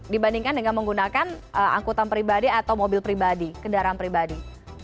dibandingkan dengan menggunakan angkutan pribadi atau mobil pribadi kendaraan pribadi